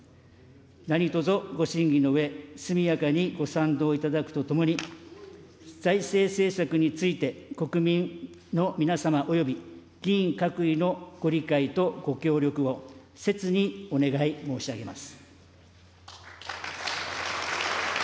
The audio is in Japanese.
何とぞ、ご審議のうえ、速やかにご賛同いただくとともに、財政政策について、国民の皆様、および議員各位のご理解とご協力を、切にお願い申し上げます。